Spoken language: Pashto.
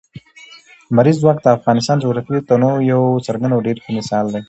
لمریز ځواک د افغانستان د جغرافیوي تنوع یو څرګند او ډېر ښه مثال دی.